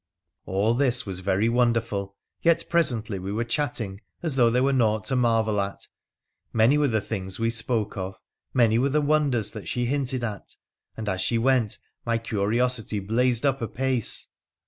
All this was very wonderful, yet presently we were chatting as though there were naught to marvel at. Many were the things we spoke of, many were the wonders that she hinted at, and as she went my curiosity blazed up apace.